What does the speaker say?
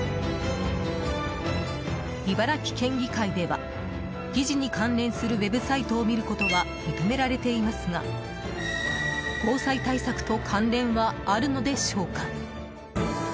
茨城県議会では議事に関連するウェブサイトを見ることは認められていますが防災対策と関連はあるのでしょうか。